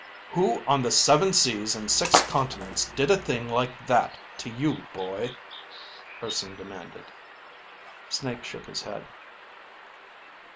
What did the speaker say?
"Who on the seven seas and six continents did a thing like that to you, boy?" Urson demanded. Snake shook his head.